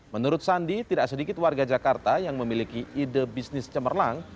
menurut sandi tidak sedikit warga jakarta yang memiliki ide bisnis cemerlang